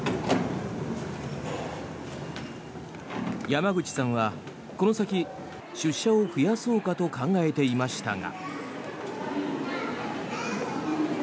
山口さんはこの先出社を増やそうかと考えていましたが。